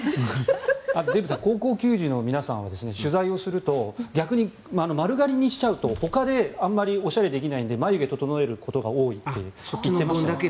デーブさん高校球児の皆さんは取材すると逆に丸刈りにするとほかであまりおしゃれできないので眉毛を整えることが多いって。